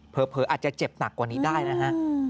อาจจะเจ็บหนักกว่านี้ได้นะฮะ